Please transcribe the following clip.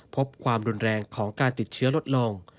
ความรุนแรงของการติดเชื้อลดลง